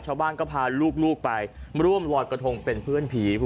ชาวบ้านก็พาลูกไปร่วมลอยกระทงเป็นเพื่อนผี